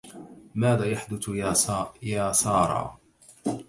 ماذا يحدث يا سارا؟